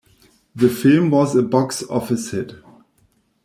The film was a box office hit.